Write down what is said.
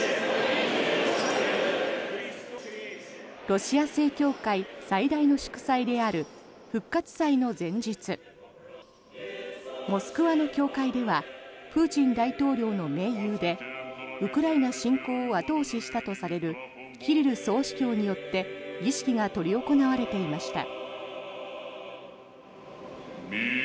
ロシア正教会最大の祝祭である復活祭の前日モスクワの教会ではプーチン大統領の盟友でウクライナ侵攻を後押ししたとされるキリル総主教によって儀式が執り行われていました。